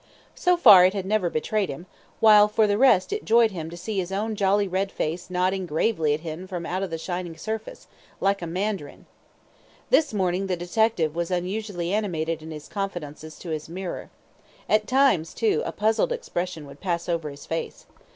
So far it had never betrayed him, while for the rest it joyed him to see his own jolly red face nodding gravely at him from out the shining surface, like a mandarin. This morning the detective was unusually animated in his confidences to his mirror. At times, too, a puzzled expression would pass over his face.